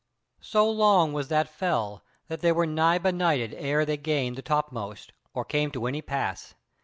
So long was that fell, that they were nigh benighted ere they gained the topmost, or came to any pass.